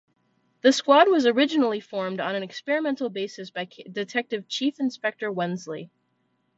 The squad was originally formed on an experimental basis by Detective Chief Inspector Wensley.